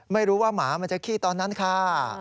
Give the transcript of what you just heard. ไม่รู้ว่าหมามันจะขี้ตอนนั้นค่ะ